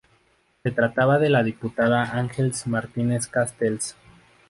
Se trataba de la diputada Àngels Martínez Castells.